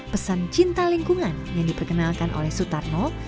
pesan cinta lingkungan yang diperkenalkan oleh sutarno